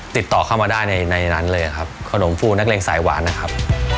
ติดต่อเข้ามาได้ในนั้นเลยครับขนมฟูนักเลงสายหวานนะครับ